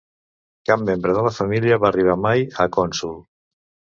Cap membre de la família va arribar mai a cònsol.